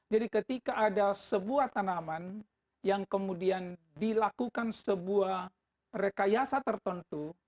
ketika ada sebuah tanaman yang kemudian dilakukan sebuah rekayasa tertentu